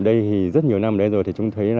đây thì rất nhiều năm đây rồi thì chúng thấy